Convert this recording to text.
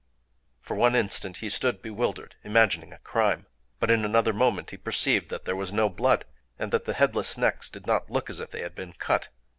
For one instant he stood bewildered,—imagining a crime. But in another moment he perceived that there was no blood, and that the headless necks did not look as if they had been cut.